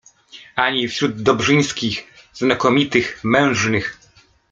Ani wśród Dobrzyńskich, znakomitych mężnych